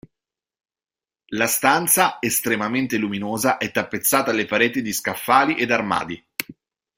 La stanza, estremamente luminosa, è tappezzata alle pareti di scaffali ed armadi.